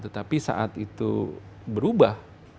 tetapi saat itu berubah